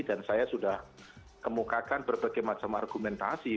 dan saya sudah kemukakan berbagai macam argumentasi